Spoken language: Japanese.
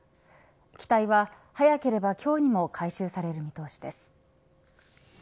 機体は早ければ今日にも回収される見通しです。